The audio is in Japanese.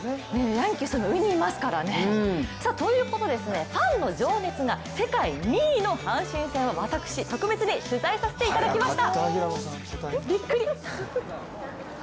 ヤンキースの上にいますからね。ということで、ファンの情熱が世界２位の阪神戦を私、特別に取材させていただきました。